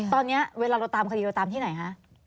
ตอนนี้เวลาเราตามคดีเราตามที่ไหนคะ